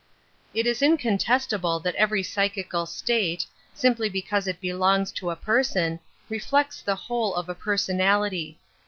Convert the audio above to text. It is incontestable that every psychical \ state, simply because it belongs to a per / son, reflects the whole of a personality.